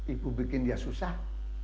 ibu bikin dia susah